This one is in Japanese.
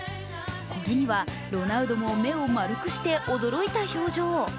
これにはロナウドも目を丸くして驚いた表情。